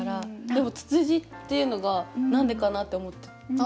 でもツツジっていうのが何でかな？って思ったんですけど。